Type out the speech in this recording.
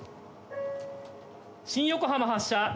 新横浜発車。